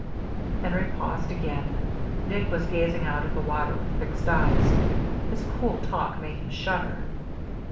Henry paused again. Dick was gazing out at the water with fixed eyes. This cool talk made him shudder.